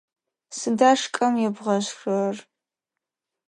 Сыда шкӏэм ебгъэшхырэр?